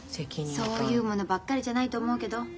そういうものばっかりじゃないと思うけど？